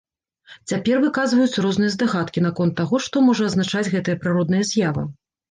Цяпер выказваюцца розныя здагадкі наконт таго, што можа азначаць гэтая прыродная з'ява.